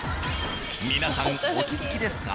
皆さんお気づきですか？